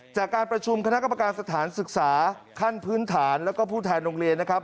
จากการประชุมคณะกรรมการสถานศึกษาขั้นพื้นฐานแล้วก็ผู้แทนโรงเรียนนะครับ